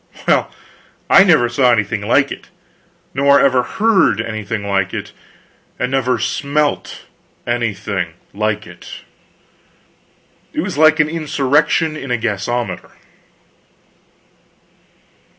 well, I never saw anything like it. Nor ever heard anything like it. And never smelt anything like it. It was like an insurrection in a gasometer.